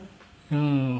うん。